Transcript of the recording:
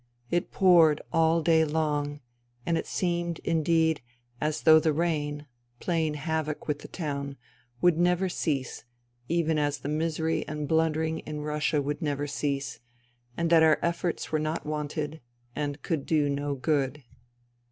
It poured all day long, and it seemed, indeed, as though the rain, playing havoc with the town, would never cease, even as the misery and blundering in Russia would never cease, and that our efforts were not wanted and could do no good.